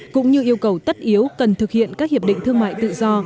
cũng như yêu cầu tất yếu cần thực hiện các hiệp định thương mại tự do